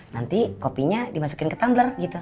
nanti kopinya dimasukin ke tumbler gitu